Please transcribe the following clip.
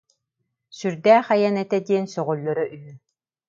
Сүрдээх айан этэ диэн сөҕөллөрө үһү